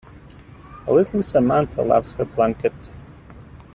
Little Samantha loves her blanket.